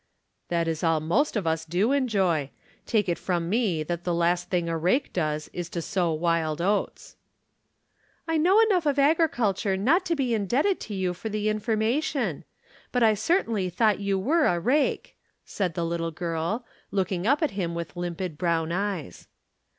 "That is all most of us do enjoy. Take it from me that the last thing a rake does is to sow wild oats." "I know enough of agriculture not to be indebted to you for the information. But I certainly thought you were a rake," said the little girl, looking up at him with limpid brown eyes.